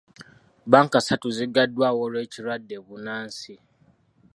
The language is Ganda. Bbanka ssatu ziggaddwawo lw'ekirwadde bbunansi.